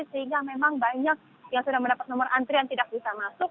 sehingga memang banyak yang sudah mendapat nomor antrian tidak bisa masuk